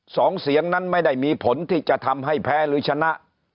สองเสียงนั้นไม่ได้มีผลที่จะทำให้แพ้หรือชนะ